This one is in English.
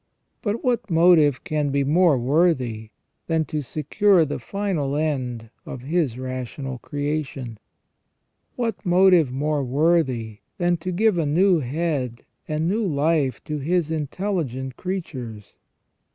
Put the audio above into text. But what motive can be more worthy than to secure the final end of His rational creation ? What motive more worthy than to give a new head and new life to His intelligent creatures